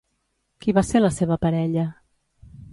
Qui va ser la seva parella?